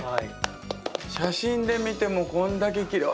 写真で見てもこんだけきれい！